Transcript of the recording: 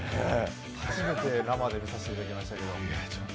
初めて生でみさせていただきましたけど。